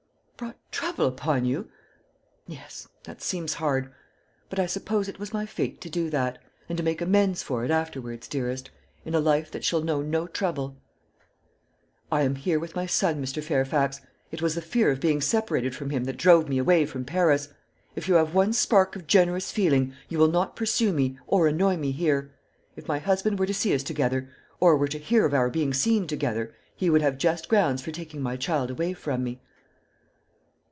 "Brought trouble upon you! Yes, that seems hard; but I suppose it was my fate to do that, and to make amends for it afterwards, dearest, in a life that shall know no trouble." "I am here with my son, Mr. Fairfax. It was the fear of being separated from him that drove me away from Paris. If you have one spark of generous feeling, you will not pursue me or annoy me here. If my husband were to see us together, or were to hear of our being seen together, he would have just grounds for taking my child away from me."